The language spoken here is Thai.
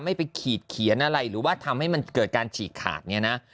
ไม่ไปขีดเขียนอะไรหรือว่าทำให้มันเกิดการฉีกขาดเนี่ยนะ